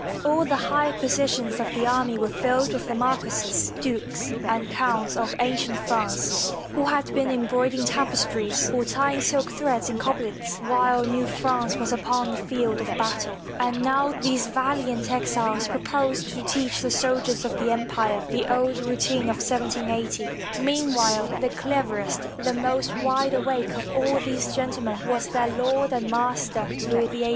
All the higher positions of the army were filled with the marquises, dukes, and counts of ancient France, who had been embroidering tapestries or tying silk threads in Coblentz while new France was upon the field of battle. And now these 3S6 THE COMING OF LOUIS XVIII valiant exiles proposed to teach the soldiers of the empire the old routine of 1780. Meanwhile the cleverest and most wide awake of all these gentlemen was their lord and master, Louis XVIII.